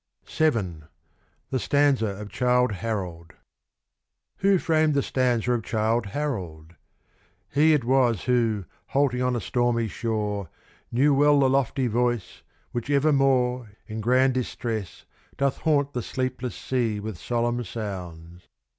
VII The Stanza of Childe Harold Who framed the stanza of Childe Harold? He It was who, halting on a stormy shore, Knew well the lofty voice which evermore, In grand distress, doth haunt the sleepless sea With solemn sounds.